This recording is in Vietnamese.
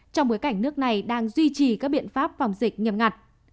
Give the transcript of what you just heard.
trong bối cảnh nước này đang duy trì các biện pháp phòng dịch nghiêm ngặt